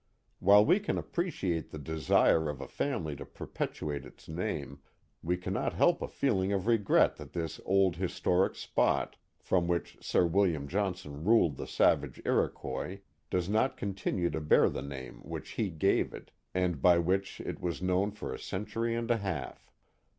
While we can appreciate the desire of a family to per petuate its name, we cannot help a feeling of regret that this old: historic spot, from which Sir William Johnson ruled the savage Iroquois, does not continue to bear the name which he gave it, and by which it was known for a century and a half.